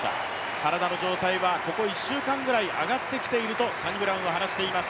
体の状態はここ１週間ぐらい上がってきているとサニブラウンは話します。